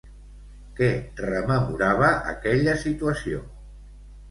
Què rememorava aquella situació?